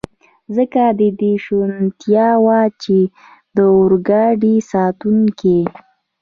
ځکه د دې شونتیا وه، چې د اورګاډي ساتونکي.